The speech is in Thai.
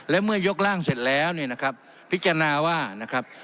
และเมื่อยกร่างเสร็จแล้วเนี่ยนะครับพิจารณาว่านะครับ